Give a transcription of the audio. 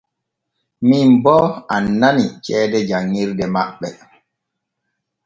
Min boo annani ceede janŋirde maɓɓe.